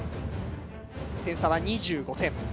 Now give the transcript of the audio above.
点差は２５点。